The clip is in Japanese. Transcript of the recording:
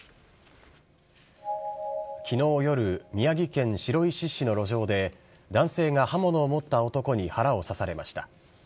きのう夜、宮城県白石市の路上で、男性が刃物を持った男に腹を刺されました。